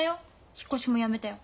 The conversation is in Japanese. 引っ越しもやめたよ。